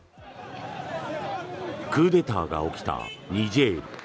クーデターが起きたニジェール。